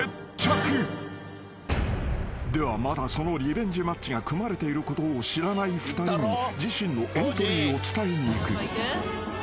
［ではまだそのリベンジマッチが組まれていることを知らない２人に自身のエントリーを伝えに行く］